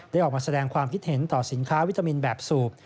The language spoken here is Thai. ออกมาแสดงความคิดเห็นต่อสินค้าวิตามินแบบสูบ